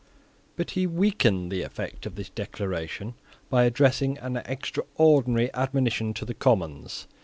But he weakened the effect of this declaration by addressing an extraordinary admonition to the Commons.